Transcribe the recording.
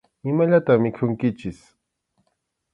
Imallatam mikhunkichik.